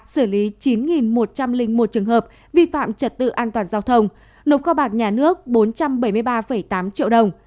xử lý chín một trăm linh một trường hợp vi phạm trật tự an toàn giao thông nộp kho bạc nhà nước bốn trăm bảy mươi ba tám triệu đồng